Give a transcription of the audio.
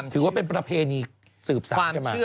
ถือว่าเป็นประเภณีสืบสาม